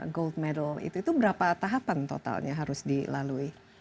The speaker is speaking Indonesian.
gold medal itu berapa tahapan totalnya harus dilalui